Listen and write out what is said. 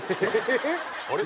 あれ？